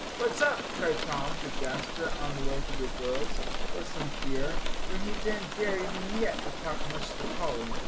"What's up?" cried Tom to Jasper, on the way to the girls with some fear, for he didn't dare even yet to talk much to Polly.